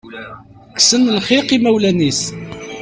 Kksen lxiq imawlan-is.